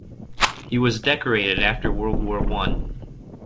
He was decorated after World War One.